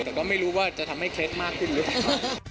แต่ก็ไม่รู้ว่าจะทำให้เคล็ดมากขึ้นหรือเปล่า